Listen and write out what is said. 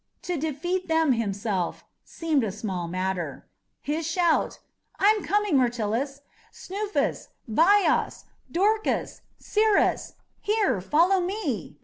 To defeat them himself seemed a small matter. His shout "I am coming, Myrtilus! Snuphis, Bias, Dorcas, Syrus! here, follow me!"